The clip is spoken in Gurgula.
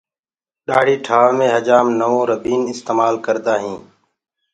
ڏآڙهي ٺآوآ مي هجآم نوَو ربيٚن استمآل ڪردآ هينٚ۔